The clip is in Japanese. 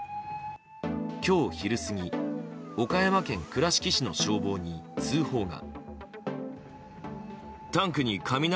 今日昼過ぎ岡山県倉敷市の消防に通報が。